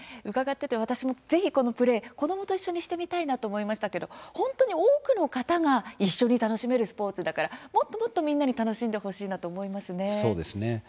私もぜひ子どもと一緒にしてみたいなと思いましたけれども本当に多くの方が一緒に楽しめるスポーツですからもっともっとみんなに楽しんでもらいたいなと思いますね。